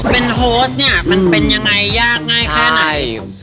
เป็นโฮสเนี่ยมันเป็นยังไงยากง่ายแค่ไหน